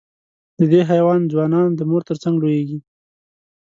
د دې حیوان ځوانان د مور تر څنګ لویېږي.